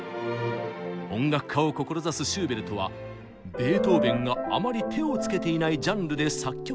音楽家を志すシューベルトはベートーベンがあまり手をつけていないジャンルで作曲を始めます。